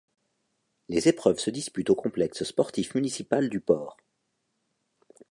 Les épreuves se disputent au complexe sportif municipal du Port.